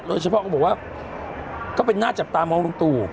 เฉพาะก็บอกว่าก็เป็นหน้าจับตามองลุงตู่